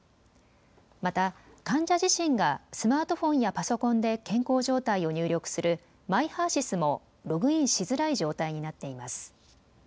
また、患者自身がスマートフォンやパソコンで健康状態を入力するＭｙＨＥＲ−ＳＹＳもログインしづらい状態になっています。